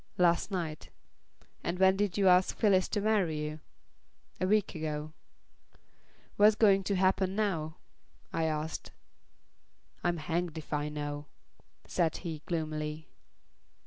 "Last night." "And when did you ask Phyllis to marry you?" "A week ago." "What's going to happen now?" I asked. "I'm hanged if I know," said he, gloomily.